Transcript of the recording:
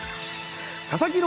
佐々木朗